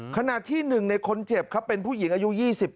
ขณะที่๑ในคนเจ็บครับเป็นผู้หญิงอายุ๒๙